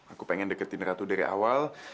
aku ingin dekatkan ratu dari awal